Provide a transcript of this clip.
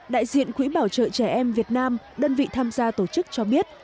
đại diện quỹ bảo trợ trẻ em việt nam đơn vị tham gia tổ chức cho biết